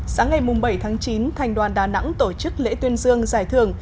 sáng ngày bảy tháng chín thành đoàn đà nẵng tổ chức lễ tuyên dương giải thưởng